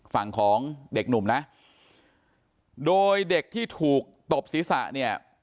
ฝั่งของเด็กหนุ่มนะโดยเด็กที่ถูกตบศีรษะเนี่ย